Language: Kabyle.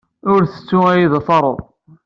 Ur ttettu ad iyi-d-taruḍ.